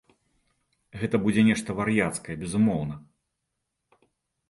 Гэта будзе нешта вар'яцкае, безумоўна.